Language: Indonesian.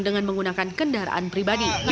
dan menggunakan kendaraan pribadi